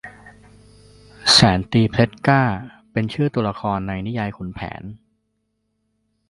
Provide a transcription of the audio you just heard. แสนตรีเพชรกล้า เป็นชื่อตัวละครในนิยายขุนแผน